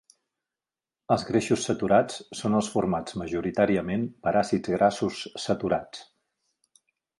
Els greixos saturats són els formats majoritàriament per àcids grassos saturats.